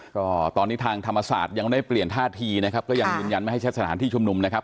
ก็ตอนนี้ทางธรรมศาสตร์ยังได้เปลี่ยนท่าทีนะครับก็ยังยืนยันไม่ให้ใช้สถานที่ชุมนุมนะครับ